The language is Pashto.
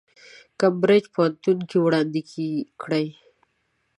کمبریج پوهنتون کې وړاندې کړي.